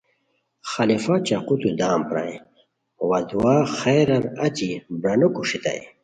خلیفہ چاقوتو دم پرائے وا دعائے خیرار اچی برانو کوݰیتانی